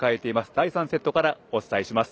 第３セットからお伝えします。